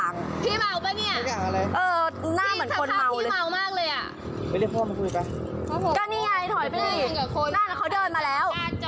น่าเหมือนคนเมาเลย